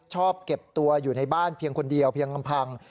ชอบเก็บตัวอยู่ในบ้านเพียงคนเดียวเพียงลำพัง